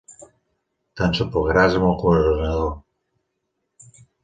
T'ensopegaràs amb el Governador.